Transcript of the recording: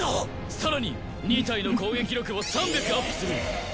更に２体の攻撃力を３００アップする！